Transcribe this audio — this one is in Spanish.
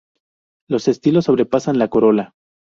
Los estilos sobrepasan la corola.